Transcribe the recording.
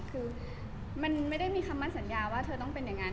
คือมันไม่ได้มีคำมั่นสัญญาว่าเธอต้องเป็นอย่างนั้น